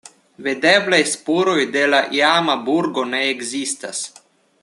Videblaj spuroj de la iama burgo ne ekzistas.